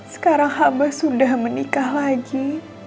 sekarang habah sudah menikah lagi